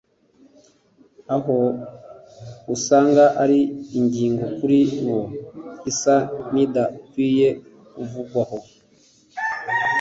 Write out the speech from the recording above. aho usanga ari ingingo kuri bo isa nidakwiye kuvugwaho